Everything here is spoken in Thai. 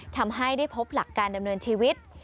ทำให้ได้พบหลักการดำเนินชีวิต